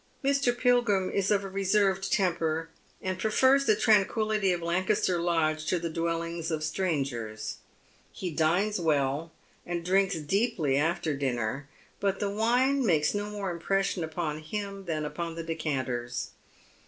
Mr. Pilgrim is of a reserved temper, and prefers the tranquillity of Lancaster Lodge to the dwellings of strangers. He dines well, and drinks deeply after dinner, but the wine makes no more impression upon him than upon the decanters.